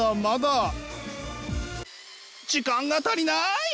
時間が足りない。